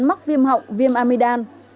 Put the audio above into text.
mắc viêm họng viêm amidam